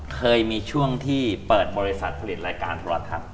เคยมีช่วงที่เปิดบริษัทผลิตรายการประวัติธรรม